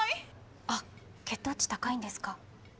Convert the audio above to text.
あっ血糖値高いんですか？